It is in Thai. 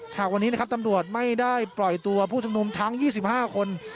หากวันนี้นะครับตำรวจไม่ได้ปล่อยตัวผู้ชมนุมทั้ง๒๕คน